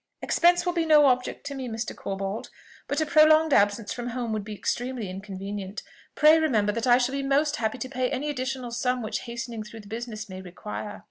"Expense will be no object with me, Mr. Corbold; but a prolonged absence from home would be extremely inconvenient. Pray remember that I shall be most happy to pay any additional sum which hastening through the business may require."